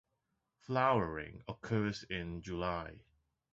Flowering occurs in July.